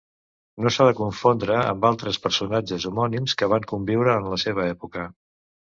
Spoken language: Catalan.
No s'ha de confondre amb altres personatges homònims que van conviure en la seva època.